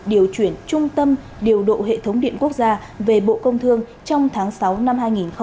điều chuyển trung tâm điều độ hệ thống điện quốc gia về bộ công thương trong tháng sáu năm hai nghìn hai mươi